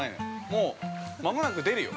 もう、間もなく出るよ！